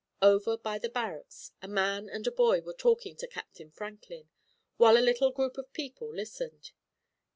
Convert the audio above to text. Over by the barracks a man and a boy were talking to Captain Franklin, while a little group of people listened.